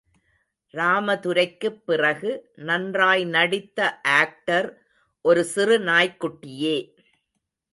ராமதுரைக்குப் பிறகு நன்றாய் நடித்த ஆக்டர், ஒரு சிறு நாய்க்குட்டியே!